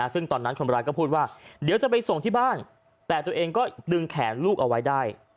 ซึ่งตอนนั้นคนร้ายก็พูดว่าเดี๋ยวจะไปส่งที่บ้านแต่ตัวเองก็ดึงแขนลูกเอาไว้ได้